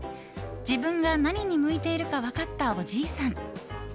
自分が何に向いているか分かったおじいさん。